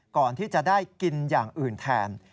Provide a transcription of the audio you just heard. ก่อนที่จะได้กินอย่างอื่นแทน